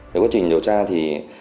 trong quá trình điều tra thì